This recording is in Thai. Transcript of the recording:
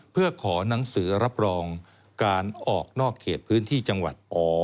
เพื่อขอหนังสือรับรองการออกนอกเขตพื้นที่จังหวัดอ